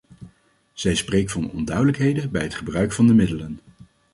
Zij spreekt van onduidelijkheden bij het gebruik van de middelen.